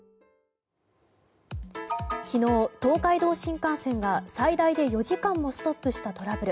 昨日、東海道新幹線が最大で４時間もストップしたトラブル。